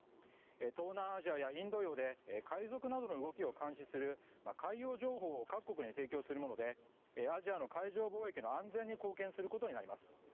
東南アジアやインド洋で海賊などの動きを監視する海洋情報を各国に提供するものでアジアの海上貿易の安全に貢献することになります。